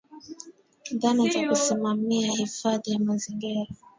Dhana za kusimamia hifadhi ya mazingira